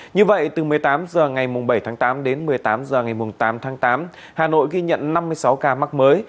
như vậy từ một mươi tám h ngày bảy tháng tám đến một mươi tám h ngày tám tháng tám hà nội ghi nhận năm mươi sáu ca mắc mới